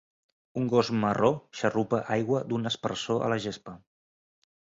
Un gos marró xarrupa aigua d'un aspersor a la gespa.